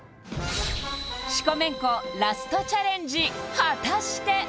四股めんこラストチャレンジ果たして？